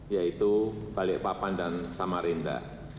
yaitu balikpapan dan samarinda